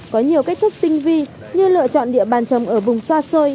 có nhiều cách thức tinh vi như lựa chọn địa bàn trồng ở vùng xoa xôi